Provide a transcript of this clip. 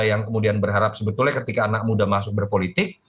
yang kemudian berharap sebetulnya ketika anak muda masuk berpolitik